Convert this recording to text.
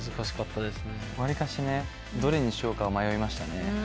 わりかしどれにしようか迷いましたね。